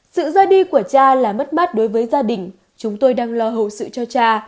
sự ra đi của cha là mất mát đối với gia đình chúng tôi đang lo hậu sự cho cha